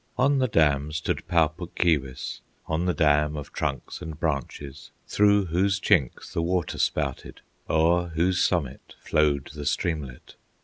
On the dam stood Pau Puk Keewis, On the dam of trunks and branches, Through whose chinks the water spouted, O'er whose summit flowed the streamlet.